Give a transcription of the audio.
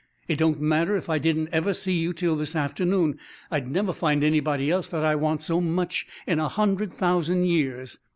It don't matter if I didn't ever see you till this afternoon, I'd never find anybody else that I want so much in a hundred thousand years.